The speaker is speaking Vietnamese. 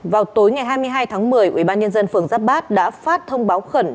vào tối ngày hai mươi hai tháng một mươi ubnd phường giáp bát đã phát thông báo khẩn